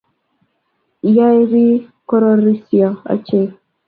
Yae biik kororosiso ochei